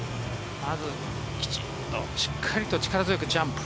まずきちんとしっかりと力強くジャンプ。